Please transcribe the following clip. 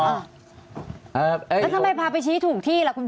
แล้วทำไมพาไปชี้ถูกที่ล่ะคุณพ่อ